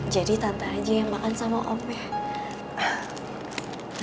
jadi tante aja yang makan sama omnya